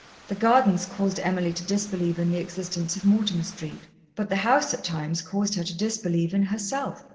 The gardens caused Emily to disbelieve in the existence of Mortimer Street, but the house at times caused her to disbelieve in herself.